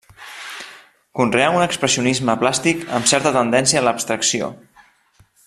Conreà un expressionisme plàstic amb certa tendència a l'abstracció.